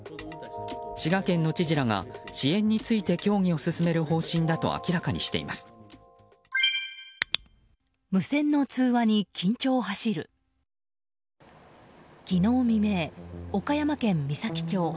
滋賀県の知事らが、支援について協議を進める方針だと昨日未明、岡山県美咲町。